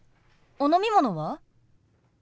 お飲み物は？